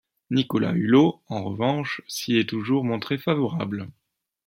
Nicolas Hulot, en revanche, s'y est toujours montré favorable.